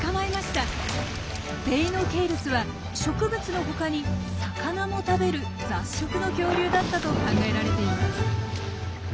デイノケイルスは植物の他に魚も食べる雑食の恐竜だったと考えられています。